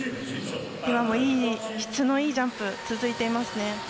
今も質のいいジャンプが続いていますね。